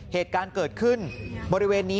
เหตุการณ์เกิดขึ้นบริเวณนี้